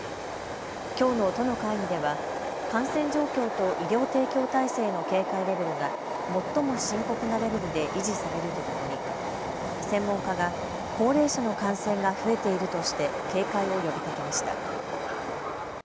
きょうの都の会議では感染状況と医療提供体制の警戒レベルが最も深刻なレベルで維持されるとともに専門家が高齢者の感染が増えているとして警戒を呼びかけました。